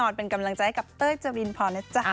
เป็นกำลังใจให้กับเต้ยจรินพรนะจ๊ะ